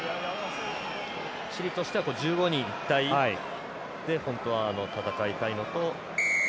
チリとしては１５人一体で本当は戦いたいのと。